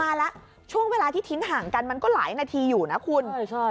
มาแล้วช่วงเวลาที่ทิ้งห่างกันมันก็หลายนาทีอยู่นะคุณ